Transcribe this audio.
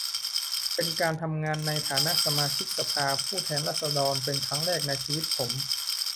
เป็นการทำงานในฐานะสมาชิกสภาผู้แทนราษฎรเป็นครั้งแรกในชีวิตผม